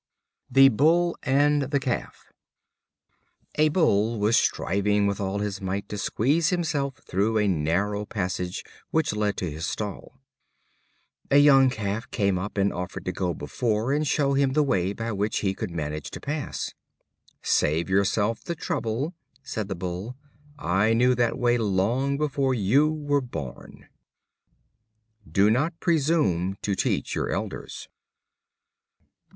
The Bull and the Calf. A Bull was striving with all his might to squeeze himself through a narrow passage which led to his stall. A young Calf came up and offered to go before and show him the way by which he could manage to pass. "Save yourself the trouble," said the Bull; "I knew that way long before you were born." Do not presume to teach your elders.